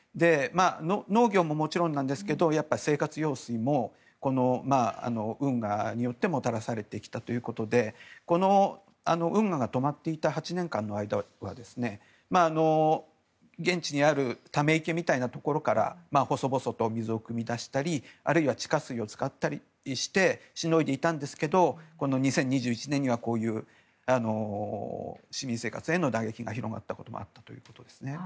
農業ももちろんですが生活用水も運河によってもたらされてきたということでこの運河が止まっていた８年間の間は現地にあるため池みたいなところから細々と水をくみ出したりあるいは地下水を使ったりしてしのいでいたんですがこの２０２１年にはこういう市民生活への打撃が広がったことがあるということです。